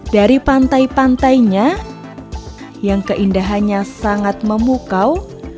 dari pantai pantainya yang keindahannya sangat memukau